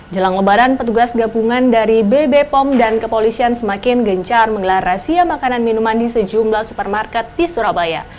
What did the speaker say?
jelang lebaran petugas gabungan dari bb pom dan kepolisian semakin gencar menggelar razia makanan minuman di sejumlah supermarket di surabaya